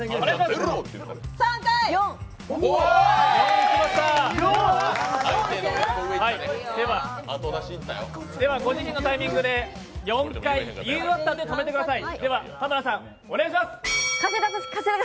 ４！ではご自身のタイミングで４回言い終わったら止めてください。